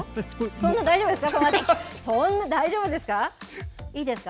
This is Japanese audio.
そんな、大丈夫ですか？